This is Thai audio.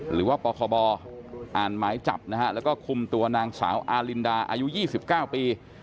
หรือว่าปคบอ่านหมายจับนะฮะแล้วก็คุมตัวนางสาวอารินดาอายุ๒๙ปี